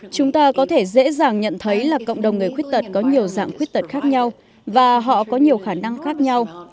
chúng ta có thể dễ dàng nhận thấy là cộng đồng người khuyết tật có nhiều dạng khuyết tật khác nhau và họ có nhiều khả năng khác nhau